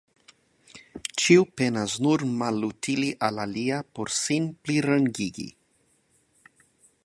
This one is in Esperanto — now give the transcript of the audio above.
Ĉiu penas nur malutili al alia por sin plirangigi.